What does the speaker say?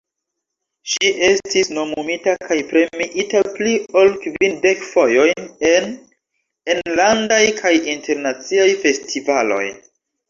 Ŝi estis nomumita kaj premiita pli ol kvindek fojojn en enlandaj kaj internaciaj festivaloj.